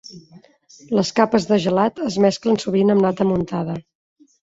Les capes de gelat es mesclen sovint amb nata muntada.